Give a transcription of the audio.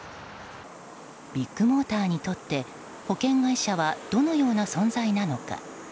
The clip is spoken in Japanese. ビッグモーターにとって保険会社はどのような存在なのか。